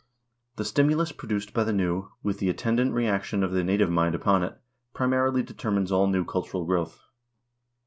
The stimulus produced by the new, with the attendant reaction of the native mind upon it, primarily determines all new cultural growth.